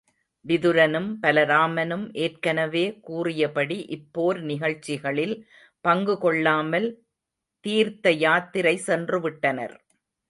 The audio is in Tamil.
விதுரனும், பலராமனும் ஏற்கனவே கூறியபடி இப் போர் நிகழ்ச்சிகளில் பங்கு கொள்ளாமல் தீர்த்தயாத்திரை சென்று விட்டனர்.